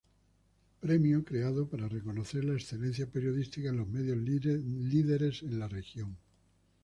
Premio creado para reconocer la excelencia periodística en los medios líderes en la región.